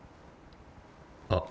あっ。